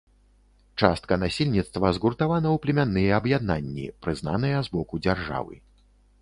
Частка насельніцтва згуртавана ў племянныя аб'яднанні, прызнаныя з боку дзяржавы.